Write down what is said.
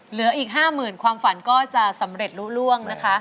เหลืออีก๕๐๐๐ความฝันก็จะสำเร็จลุล่วงนะคะ